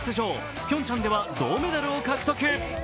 ピョンチャンでは銅メダルを獲得。